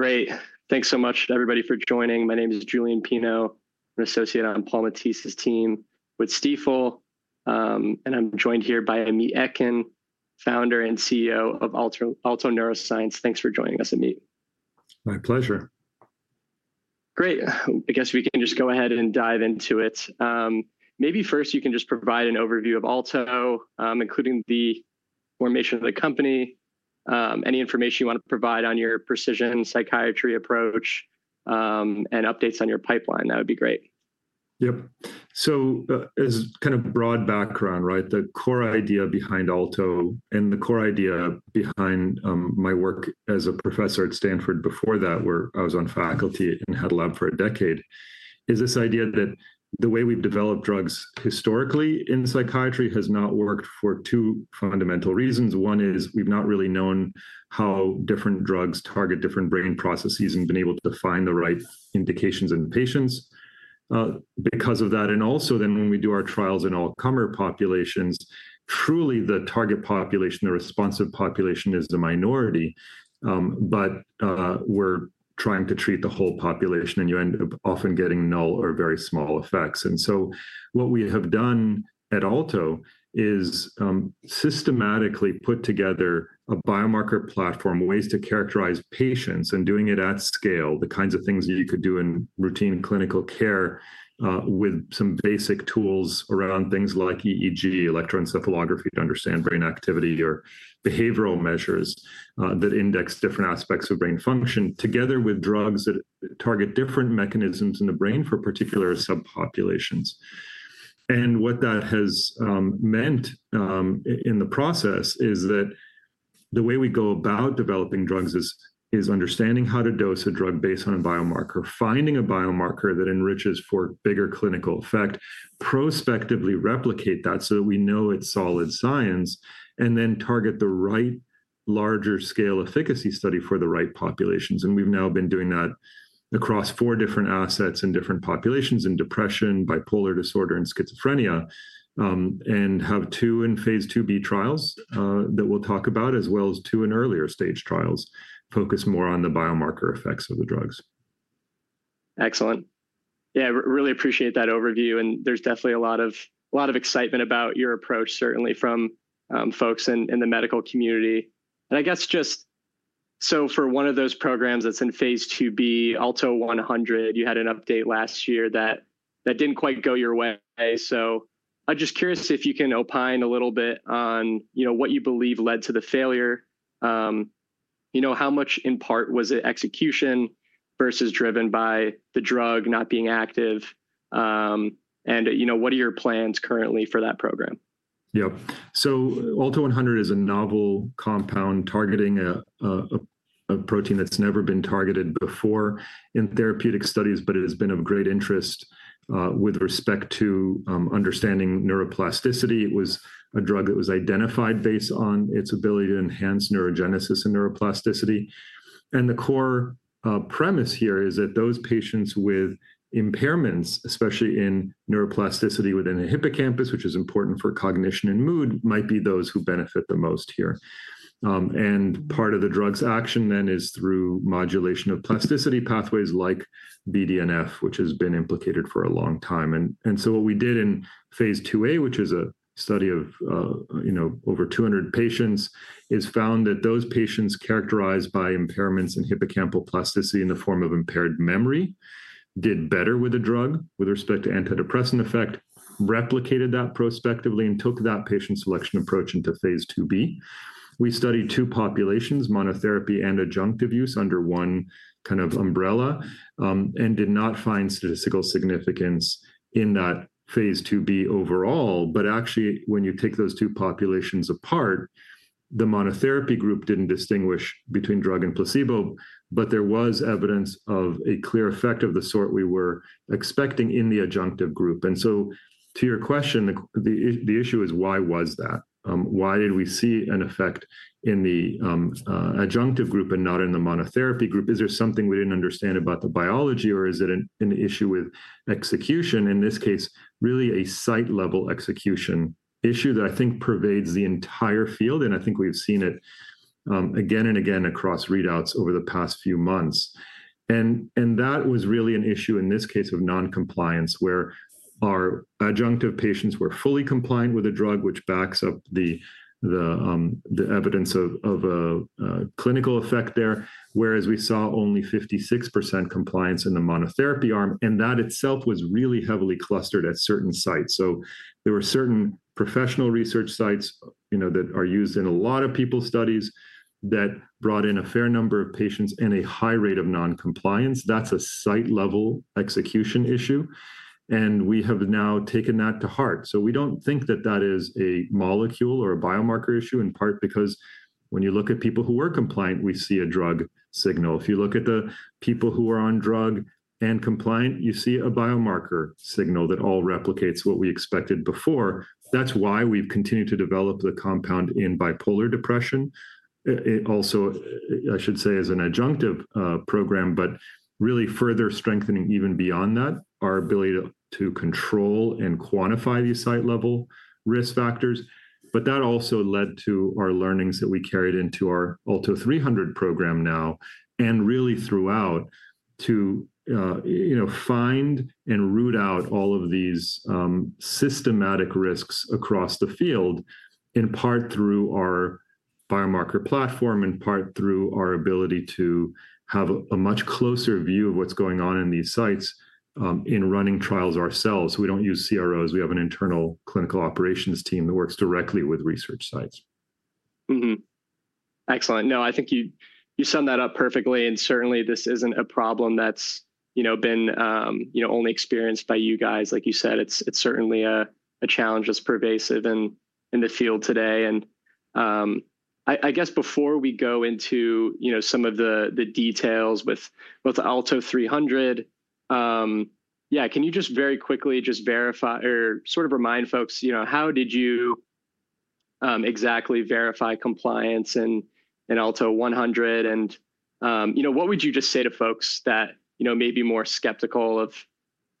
Great. Thanks so much, everybody, for joining. My name is Julian Pino. I'm an associate on Paul Matteis's team with Stifel. And I'm joined here by Amit Etkin, Founder and CEO of Alto Neuroscience. Thanks for joining us, Amit. My pleasure. Great. I guess we can just go ahead and dive into it. Maybe first, you can just provide an overview of Alto, including the formation of the company, any information you want to provide on your precision psychiatry approach, and updates on your pipeline. That would be great. Yep. As kind of broad background, right, the core idea behind Alto, and the core idea behind my work as a professor at Stanford before that, where I was on faculty and had a lab for a decade, is this idea that the way we've developed drugs historically in psychiatry has not worked for two fundamental reasons. One is we've not really known how different drugs target different brain processes and been able to find the right indications in patients because of that. Also, when we do our trials in all comer populations, truly the target population, the responsive population, is the minority. We're trying to treat the whole population, and you end up often getting null or very small effects. What we have done at Alto is systematically put together a biomarker platform, ways to characterize patients, and doing it at scale, the kinds of things you could do in routine clinical care with some basic tools around things like EEG, electroencephalography, to understand brain activity or behavioral measures that index different aspects of brain function together with drugs that target different mechanisms in the brain for particular subpopulations. What that has meant in the process is that the way we go about developing drugs is understanding how to dose a drug based on a biomarker, finding a biomarker that enriches for bigger clinical effect, prospectively replicate that so that we know it's solid science, and then target the right larger scale efficacy study for the right populations. We have now been doing that across four different assets in different populations: in depression, bipolar disorder, and schizophrenia, and have two in phase IIb trials that we will talk about, as well as two in earlier stage trials focused more on the biomarker effects of the drugs. Excellent. Yeah, really appreciate that overview. There's definitely a lot of excitement about your approach, certainly from folks in the medical community. I guess just for one of those programs that's in phase IIb, ALTO-100, you had an update last year that didn't quite go your way. I'm just curious if you can opine a little bit on what you believe led to the failure. How much in part was it execution versus driven by the drug not being active? What are your plans currently for that program? Yep. ALTO-100 is a novel compound targeting a protein that's never been targeted before in therapeutic studies, but it has been of great interest with respect to understanding neuroplasticity. It was a drug that was identified based on its ability to enhance neurogenesis and neuroplasticity. The core premise here is that those patients with impairments, especially in neuroplasticity within the hippocampus, which is important for cognition and mood, might be those who benefit the most here. Part of the drug's action then is through modulation of plasticity pathways like BDNF, which has been implicated for a long time. What we did in phase IIa, which is a study of over 200 patients, is found that those patients characterized by impairments in hippocampal plasticity in the form of impaired memory did better with a drug with respect to antidepressant effect, replicated that prospectively, and took that patient selection approach into phase IIb. We studied two populations, monotherapy and adjunctive use, under one kind of umbrella, and did not find statistical significance in that phase IIb overall. Actually, when you take those two populations apart, the monotherapy group did not distinguish between drug and placebo, but there was evidence of a clear effect of the sort we were expecting in the adjunctive group. To your question, the issue is, why was that? Why did we see an effect in the adjunctive group and not in the monotherapy group? Is there something we did not understand about the biology, or is it an issue with execution? In this case, really a site-level execution issue that I think pervades the entire field. I think we have seen it again and again across readouts over the past few months. That was really an issue in this case of noncompliance, where our adjunctive patients were fully compliant with the drug, which backs up the evidence of a clinical effect there, whereas we saw only 56% compliance in the monotherapy arm. That itself was really heavily clustered at certain sites. There were certain professional research sites that are used in a lot of people's studies that brought in a fair number of patients and a high rate of noncompliance. That is a site-level execution issue. We have now taken that to heart. We do not think that that is a molecule or a biomarker issue, in part because when you look at people who were compliant, we see a drug signal. If you look at the people who are on drug and compliant, you see a biomarker signal that all replicates what we expected before. That is why we have continued to develop the compound in bipolar depression. It also, I should say, is an adjunctive program, but really further strengthening even beyond that, our ability to control and quantify these site-level risk factors. That also led to our learnings that we carried into our ALTO-300 program now and really throughout to find and root out all of these systematic risks across the field, in part through our biomarker platform, in part through our ability to have a much closer view of what is going on in these sites in running trials ourselves. We don't use CROs. We have an internal clinical operations team that works directly with research sites. Excellent. No, I think you summed that up perfectly. This isn't a problem that's been only experienced by you guys. Like you said, it's certainly a challenge that's pervasive in the field today. I guess before we go into some of the details with ALTO-300, can you just very quickly just verify or sort of remind folks, how did you exactly verify compliance in ALTO-100? What would you just say to folks that may be more skeptical of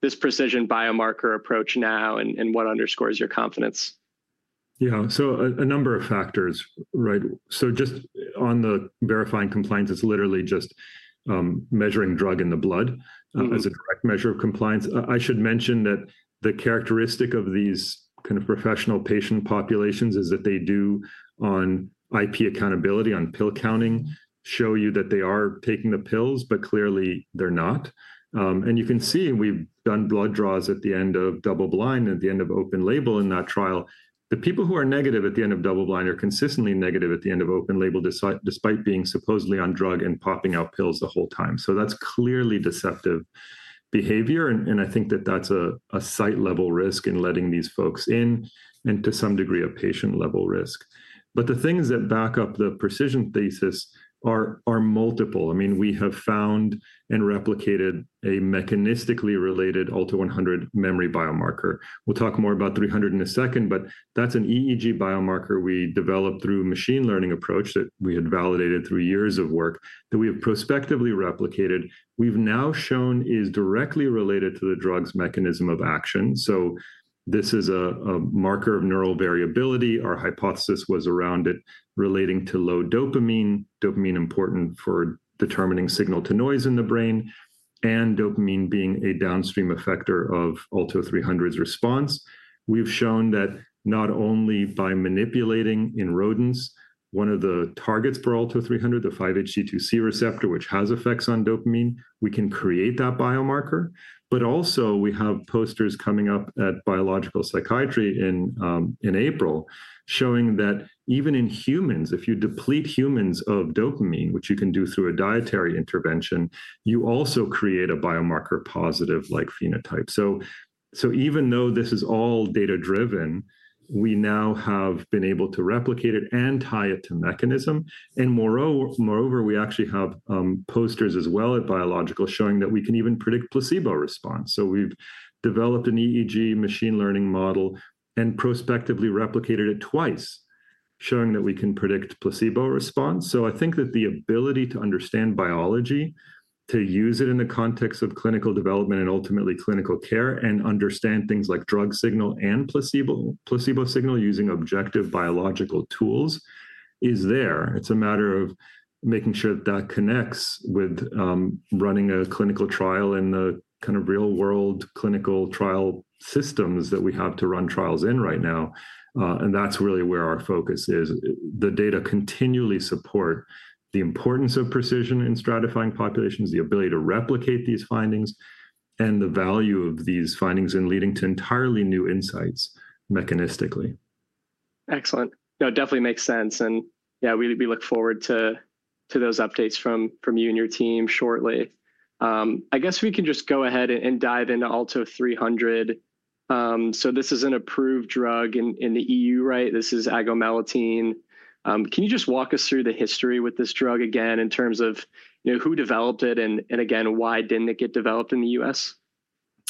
this precision biomarker approach now and what underscores your confidence? Yeah. A number of factors, right? Just on the verifying compliance, it's literally just measuring drug in the blood as a direct measure of compliance. I should mention that the characteristic of these kind of professional patient populations is that they do, on IP accountability, on pill counting, show you that they are taking the pills, but clearly they're not. You can see we've done blood draws at the end of double-blind and at the end of open-label in that trial. The people who are negative at the end of double-blind are consistently negative at the end of open-label despite being supposedly on drug and popping out pills the whole time. That's clearly deceptive behavior. I think that that's a site-level risk in letting these folks in and to some degree a patient-level risk. The things that back up the precision thesis are multiple. I mean, we have found and replicated a mechanistically related ALTO-100 memory biomarker. We'll talk more about 300 in a second, but that's an EEG biomarker we developed through a machine learning approach that we had validated through years of work that we have prospectively replicated. We've now shown is directly related to the drug's mechanism of action. This is a marker of neural variability. Our hypothesis was around it relating to low dopamine, dopamine important for determining signal-to-noise in the brain, and dopamine being a downstream effector of ALTO-300's response. We've shown that not only by manipulating in rodents, one of the targets for ALTO-300, the 5-HT2C receptor, which has effects on dopamine, we can create that biomarker. We have posters coming up at Biological Psychiatry in April showing that even in humans, if you deplete humans of dopamine, which you can do through a dietary intervention, you also create a biomarker positive-like phenotype. Even though this is all data-driven, we now have been able to replicate it and tie it to mechanism. Moreover, we actually have posters as well at Biological showing that we can even predict placebo response. We have developed an EEG machine learning model and prospectively replicated it twice, showing that we can predict placebo response. I think that the ability to understand biology, to use it in the context of clinical development and ultimately clinical care, and understand things like drug signal and placebo signal using objective biological tools is there. It's a matter of making sure that that connects with running a clinical trial in the kind of real-world clinical trial systems that we have to run trials in right now. That's really where our focus is. The data continually support the importance of precision in stratifying populations, the ability to replicate these findings, and the value of these findings in leading to entirely new insights mechanistically. Excellent. No, definitely makes sense. Yeah, we look forward to those updates from you and your team shortly. I guess we can just go ahead and dive into ALTO-300. This is an approved drug in the EU, right? This is agomelatine. Can you just walk us through the history with this drug again in terms of who developed it and again, why did it not get developed in the U.S.?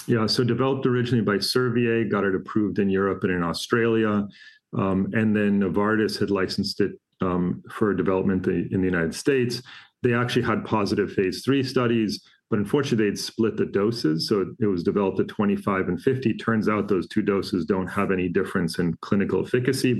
Yeah. So developed originally by Servier, got it approved in Europe and in Australia. Novartis had licensed it for development in the United States. They actually had positive phase III studies, but unfortunately, they'd split the doses. It was developed at 25 and 50. Turns out those two doses do not have any difference in clinical efficacy.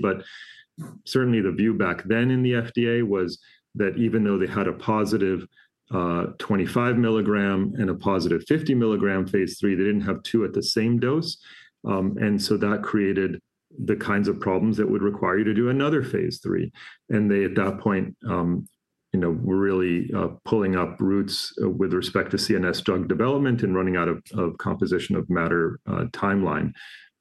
Certainly, the view back then in the FDA was that even though they had a positive 25 milligram and a positive 50 milligram phase III, they did not have two at the same dose. That created the kinds of problems that would require you to do another phase III. They at that point were really pulling up roots with respect to CNS drug development and running out of composition of matter timeline.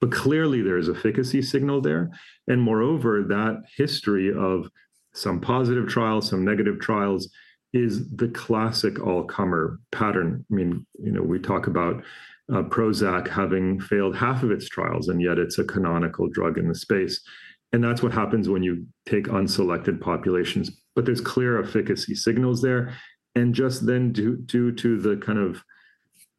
Clearly, there is efficacy signal there. Moreover, that history of some positive trials, some negative trials is the classic all-comer pattern. I mean, we talk about Prozac having failed half of its trials, and yet it's a canonical drug in the space. That's what happens when you take unselected populations. There are clear efficacy signals there. Just then due to the kind of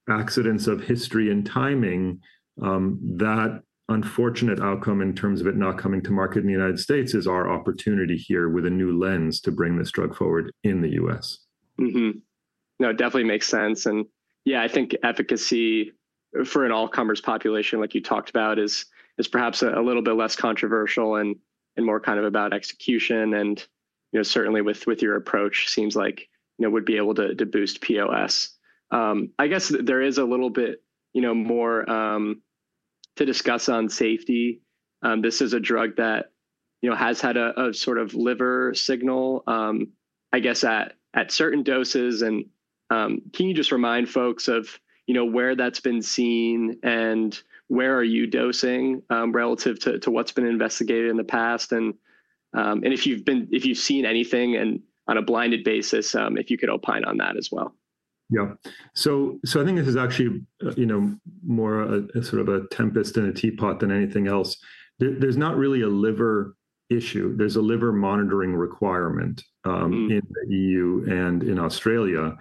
accidents of history and timing, that unfortunate outcome in terms of it not coming to market in the United States. is our opportunity here with a new lens to bring this drug forward in the U.S. No, definitely makes sense. Yeah, I think efficacy for an all-comers population, like you talked about, is perhaps a little bit less controversial and more kind of about execution. Certainly, with your approach, seems like it would be able to boost POS. I guess there is a little bit more to discuss on safety. This is a drug that has had a sort of liver signal, I guess, at certain doses. Can you just remind folks of where that's been seen and where are you dosing relative to what's been investigated in the past? If you've seen anything on a blinded basis, if you could opine on that as well. Yeah. I think this is actually more a sort of a tempest in a teapot than anything else. There's not really a liver issue. There's a liver monitoring requirement in the EU and in Australia.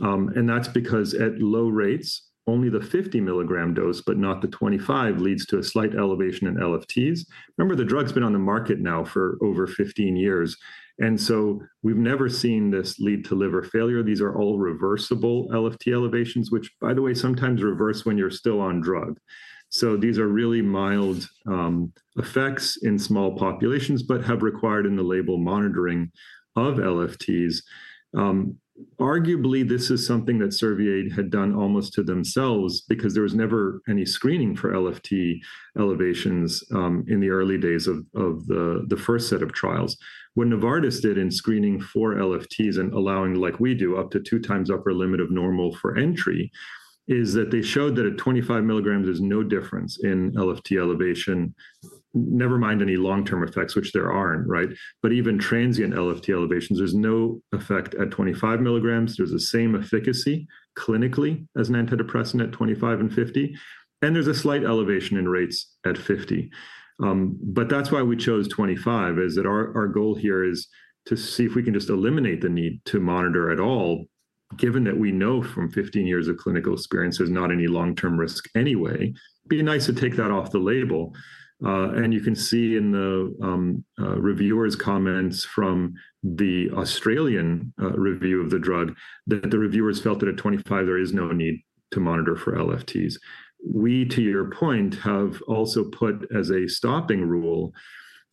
That's because at low rates, only the 50 milligram dose, but not the 25, leads to a slight elevation in LFTs. Remember, the drug's been on the market now for over 15 years. We've never seen this lead to liver failure. These are all reversible LFT elevations, which, by the way, sometimes reverse when you're still on drug. These are really mild effects in small populations, but have required in the label monitoring of LFTs. Arguably, this is something that Servier had done almost to themselves because there was never any screening for LFT elevations in the early days of the first set of trials. What Novartis did in screening for LFTs and allowing, like we do, up to 2x upper limit of normal for entry is that they showed that at 25 milligrams, there's no difference in LFT elevation, never mind any long-term effects, which there aren't, right? Even transient LFT elevations, there's no effect at 25 milligrams. There's the same efficacy clinically as an antidepressant at 25 and 50. There's a slight elevation in rates at 50. That's why we chose 25, is that our goal here is to see if we can just eliminate the need to monitor at all, given that we know from 15 years of clinical experience, there's not any long-term risk anyway. It'd be nice to take that off the label. You can see in the reviewers' comments from the Australian review of the drug that the reviewers felt that at 25, there is no need to monitor for LFTs. We, to your point, have also put as a stopping rule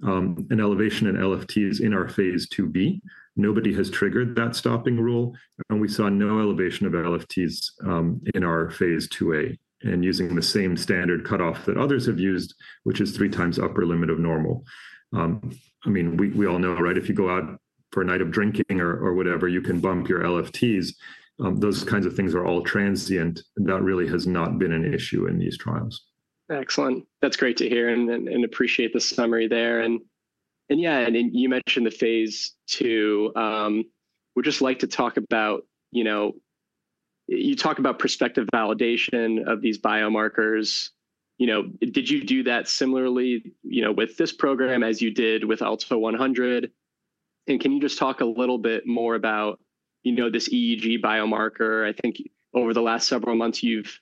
an elevation in LFTs in our phase IIb. Nobody has triggered that stopping rule. We saw no elevation of LFTs in our phase IIa and using the same standard cutoff that others have used, which is three times upper limit of normal. I mean, we all know, right? If you go out for a night of drinking or whatever, you can bump your LFTs. Those kinds of things are all transient. That really has not been an issue in these trials. Excellent. That's great to hear and appreciate the summary there. Yeah, you mentioned the phase II. We'd just like to talk about, you talk about prospective validation of these biomarkers. Did you do that similarly with this program as you did with ALTO-100? Can you just talk a little bit more about this EEG biomarker? I think over the last several months, you've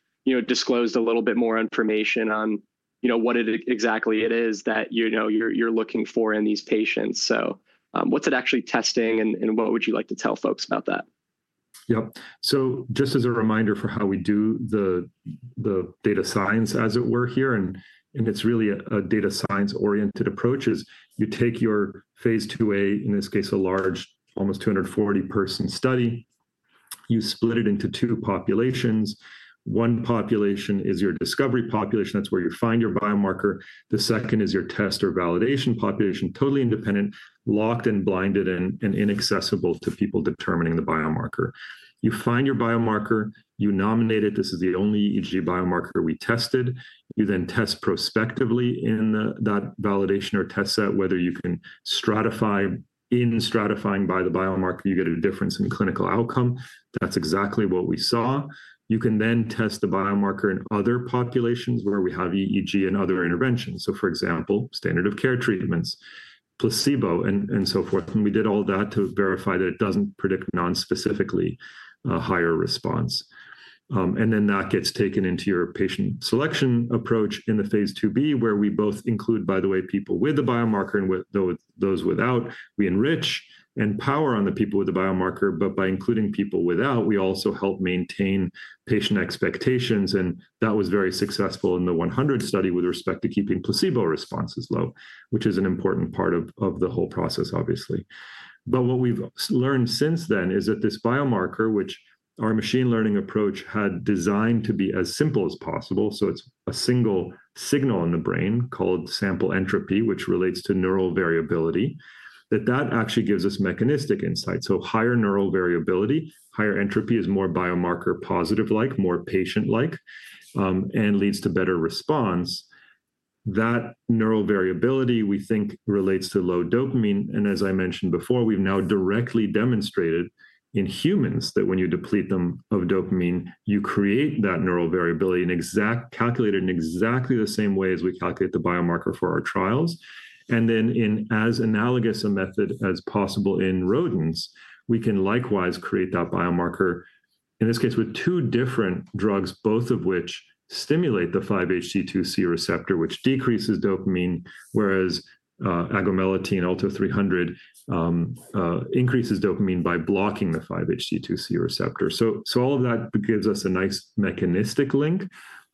disclosed a little bit more information on what exactly it is that you're looking for in these patients. What's it actually testing, and what would you like to tell folks about that? Yep. Just as a reminder for how we do the data science, as it were here, and it's really a data science-oriented approach, you take your phase IIA, in this case, a large, almost 240-person study. You split it into two populations. One population is your discovery population. That's where you find your biomarker. The second is your test or validation population, totally independent, locked and blinded and inaccessible to people determining the biomarker. You find your biomarker. You nominate it. This is the only EEG biomarker we tested. You then test prospectively in that validation or test set whether you can stratify. In stratifying by the biomarker, you get a difference in clinical outcome. That's exactly what we saw. You can then test the biomarker in other populations where we have EEG and other interventions. For example, standard of care treatments, placebo, and so forth. We did all that to verify that it does not predict nonspecifically a higher response. That gets taken into your patient selection approach in the phase IIb, where we both include, by the way, people with the biomarker and those without. We enrich and power on the people with the biomarker, but by including people without, we also help maintain patient expectations. That was very successful in the 100 study with respect to keeping placebo responses low, which is an important part of the whole process, obviously. What we have learned since then is that this biomarker, which our machine learning approach had designed to be as simple as possible, so it is a single signal in the brain called sample entropy, which relates to neural variability, that that actually gives us mechanistic insight. Higher neural variability, higher entropy is more biomarker positive-like, more patient-like, and leads to better response. That neural variability, we think, relates to low dopamine. As I mentioned before, we've now directly demonstrated in humans that when you deplete them of dopamine, you create that neural variability calculated in exactly the same way as we calculate the biomarker for our trials. In as analogous a method as possible in rodents, we can likewise create that biomarker, in this case, with two different drugs, both of which stimulate the 5-HT2C receptor, which decreases dopamine, whereas agomelatine ALTO-300 increases dopamine by blocking the 5-HT2C receptor. All of that gives us a nice mechanistic link.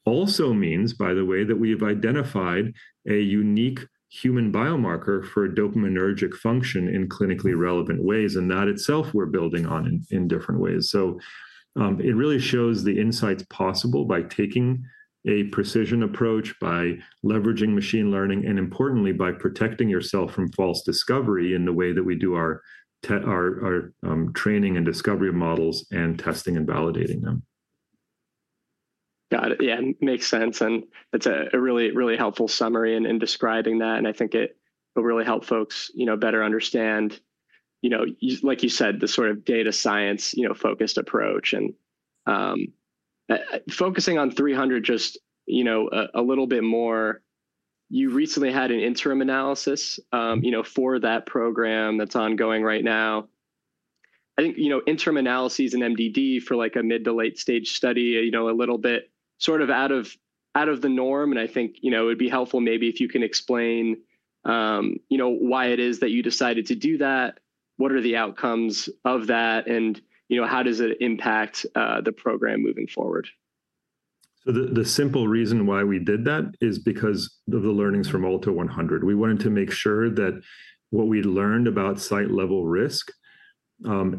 Also means, by the way, that we have identified a unique human biomarker for dopaminergic function in clinically relevant ways, and that itself we're building on in different ways. It really shows the insights possible by taking a precision approach, by leveraging machine learning, and importantly, by protecting yourself from false discovery in the way that we do our training and discovery of models and testing and validating them. Got it. Yeah, makes sense. That's a really, really helpful summary in describing that. I think it will really help folks better understand, like you said, the sort of data science-focused approach. Focusing on 300 just a little bit more, you recently had an interim analysis for that program that's ongoing right now. I think interim analyses in MDD for a mid to late-stage study are a little bit sort of out of the norm. I think it would be helpful maybe if you can explain why it is that you decided to do that, what are the outcomes of that, and how does it impact the program moving forward? The simple reason why we did that is because of the learnings from ALTO-100. We wanted to make sure that what we learned about site-level risk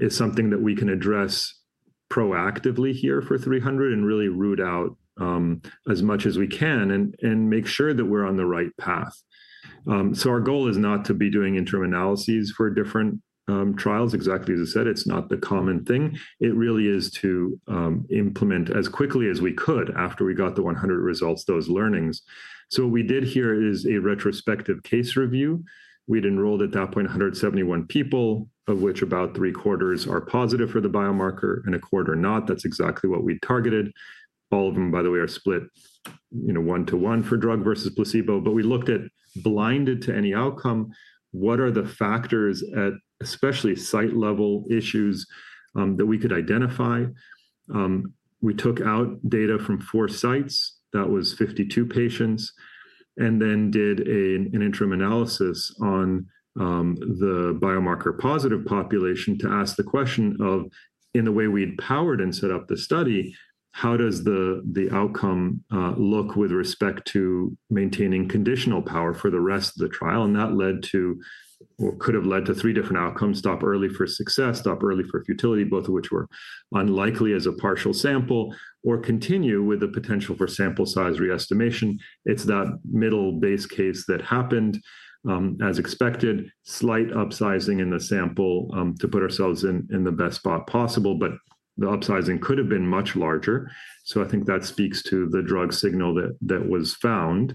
is something that we can address proactively here for 300 and really root out as much as we can and make sure that we're on the right path. Our goal is not to be doing interim analyses for different trials. Exactly as I said, it's not the common thing. It really is to implement as quickly as we could after we got the 100 results, those learnings. What we did here is a retrospective case review. We'd enrolled at that point 171 people, of which about three-quarters are positive for the biomarker and a quarter not. That's exactly what we targeted. All of them, by the way, are split one-to-one for drug versus placebo. We looked at, blinded to any outcome, what are the factors, especially site-level issues, that we could identify? We took out data from four sites. That was 52 patients. We then did an interim analysis on the biomarker-positive population to ask the question of, in the way we'd powered and set up the study, how does the outcome look with respect to maintaining conditional power for the rest of the trial? That led to or could have led to three different outcomes: stop early for success, stop early for futility, both of which were unlikely as a partial sample, or continue with the potential for sample size re-estimation. It is that middle base case that happened as expected, slight upsizing in the sample to put ourselves in the best spot possible. The upsizing could have been much larger. I think that speaks to the drug signal that was found.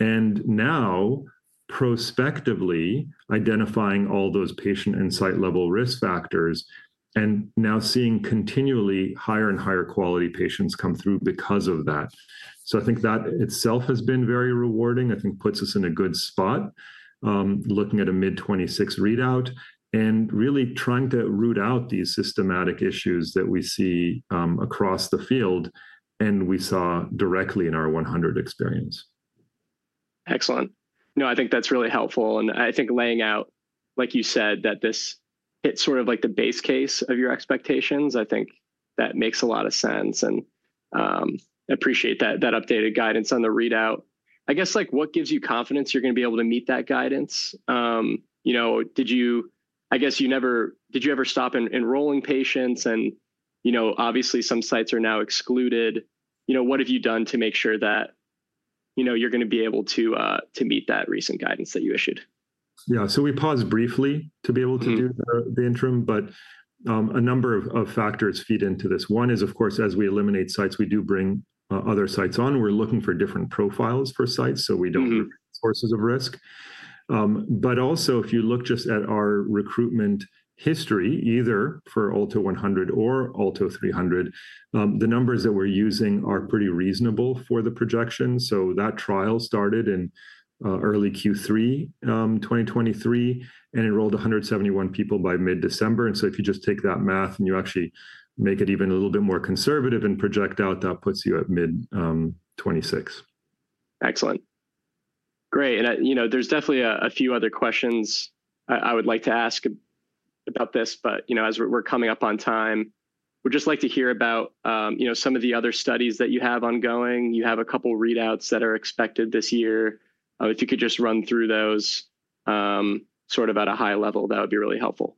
And now, prospectively, identifying all those patient and site-level risk factors and now seeing continually higher and higher quality patients come through because of that. I think that itself has been very rewarding. I think puts us in a good spot looking at a mid-2026 readout and really trying to root out these systematic issues that we see across the field and we saw directly in our 100 experience. Excellent. No, I think that's really helpful. I think laying out, like you said, that this hit sort of like the base case of your expectations, I think that makes a lot of sense. I appreciate that updated guidance on the readout. I guess what gives you confidence you're going to be able to meet that guidance? I guess you never did you ever stop enrolling patients? Obviously, some sites are now excluded. What have you done to make sure that you're going to be able to meet that recent guidance that you issued? Yeah. We paused briefly to be able to do the interim, but a number of factors feed into this. One is, of course, as we eliminate sites, we do bring other sites on. We're looking for different profiles for sites, so we don't sources of risk. Also, if you look just at our recruitment history, either for ALTO-100 or ALTO-300, the numbers that we're using are pretty reasonable for the projection. That trial started in early Q3 2023 and enrolled 171 people by mid-December. If you just take that math and you actually make it even a little bit more conservative and project out, that puts you at mid-2026. Excellent. Great. There is definitely a few other questions I would like to ask about this, but as we're coming up on time, we'd just like to hear about some of the other studies that you have ongoing. You have a couple of readouts that are expected this year. If you could just run through those sort of at a high level, that would be really helpful.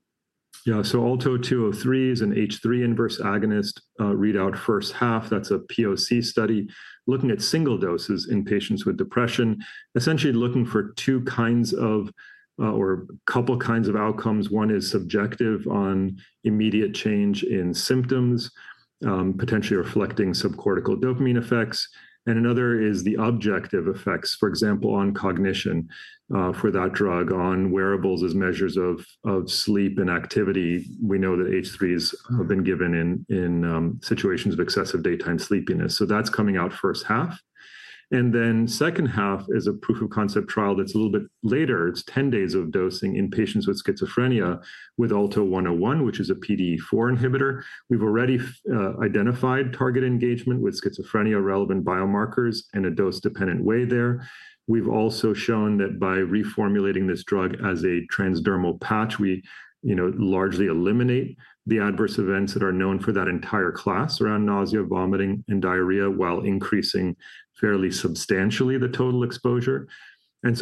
Yeah. ALTO-203 is an H3 inverse agonist readout first half. That is a POC study looking at single doses in patients with depression, essentially looking for two kinds of or a couple of kinds of outcomes. One is subjective on immediate change in symptoms, potentially reflecting subcortical dopamine effects. Another is the objective effects, for example, on cognition for that drug, on wearables as measures of sleep and activity. We know that H3s have been given in situations of excessive daytime sleepiness. That is coming out first half. Second half is a proof of concept trial that is a little bit later. It is 10 days of dosing in patients with schizophrenia with ALTO-101, which is a PDE4 inhibitor. We have already identified target engagement with schizophrenia-relevant biomarkers in a dose-dependent way there. We've also shown that by reformulating this drug as a transdermal patch, we largely eliminate the adverse events that are known for that entire class around nausea, vomiting, and diarrhea while increasing fairly substantially the total exposure.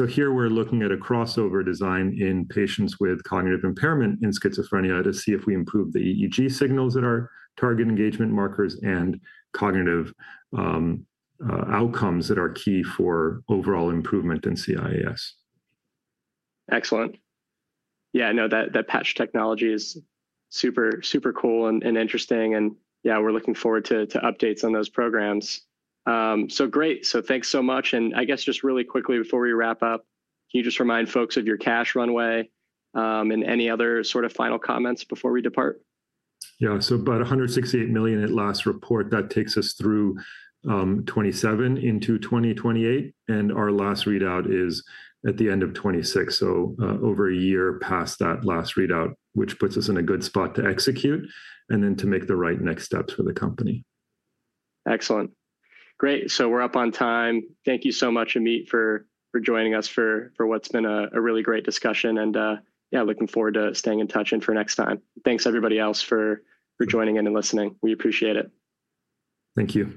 Here, we're looking at a crossover design in patients with cognitive impairment in schizophrenia to see if we improve the EEG signals that are target engagement markers and cognitive outcomes that are key for overall improvement in CIAS. Excellent. Yeah, no, that patch technology is super, super cool and interesting. Yeah, we're looking forward to updates on those programs. Great. Thanks so much. I guess just really quickly before we wrap up, can you just remind folks of your cash runway and any other sort of final comments before we depart? Yeah. So about $168 million at last report. That takes us through 2027 into 2028. Our last readout is at the end of 2026. So over a year past that last readout, which puts us in a good spot to execute and then to make the right next steps for the company. Excellent. Great. We are up on time. Thank you so much, Amit, for joining us for what has been a really great discussion. Yeah, looking forward to staying in touch and for next time. Thanks, everybody else, for joining in and listening. We appreciate it. Thank you.